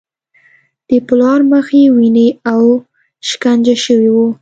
د پلار مخ یې وینې و او شکنجه شوی و